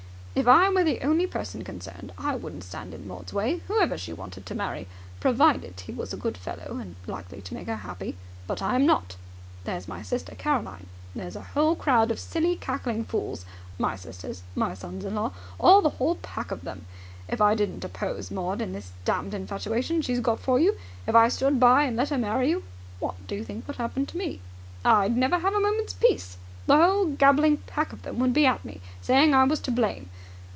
If I were the only person concerned, I wouldn't stand in Maud's way, whoever she wanted to marry, provided he was a good fellow and likely to make her happy. But I'm not. There's my sister Caroline. There's a whole crowd of silly, cackling fools my sisters my sons in law all the whole pack of them! If I didn't oppose Maud in this damned infatuation she's got for you if I stood by and let her marry you what do you think would happen to me? I'd never have a moment's peace! The whole gabbling pack of them would be at me, saying I was to blame.